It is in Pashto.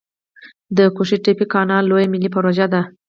د قوش تیپې کانال لویه ملي پروژه ده